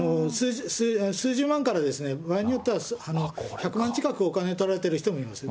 数十万から、場合によっては１００万近く、お金取られてる人もいます。